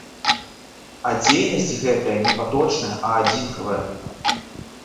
А дзейнасць гэтая не паточная, а адзінкавая.